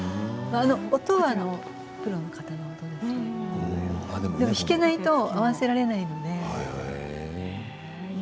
音はプロの方の音ですけれどでも聞けないと合わせられないので。